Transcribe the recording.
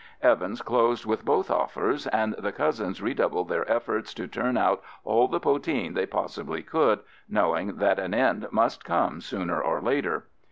Evans closed with both offers, and the cousins redoubled their efforts to turn out all the poteen they possibly could, knowing that an end must come sooner or later.